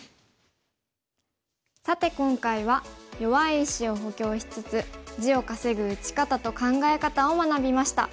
さて今回は弱い石を補強しつつ地を稼ぐ打ち方と考え方を学びました。